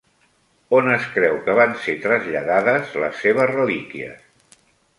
On es creu que van ser traslladades les seves relíquies?